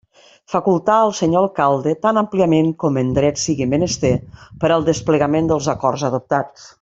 Facultar al senyor Alcalde, tan àmpliament com en dret sigui menester, per al desplegament dels acords adoptats.